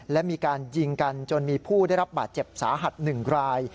และมีการยิงกันจนมีผู้ได้รับบาดเจ็บสาหัส๑ราย